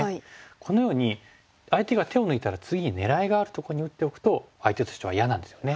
このように相手が手を抜いたら次に狙いがあるところに打っておくと相手としては嫌なんですよね。